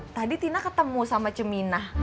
tadi tina ketemu sama cemina